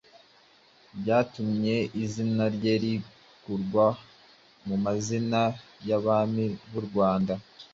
byatumye izina rye rikurwa mu mazina y’abami b’u Rwanda.